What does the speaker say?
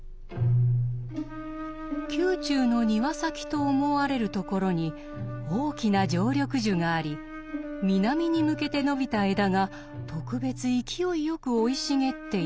宮中の庭先と思われるところに大きな常緑樹があり南に向けて伸びた枝が特別勢いよく生い茂っていた。